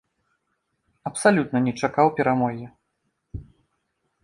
Абсалютна не чакаў перамогі.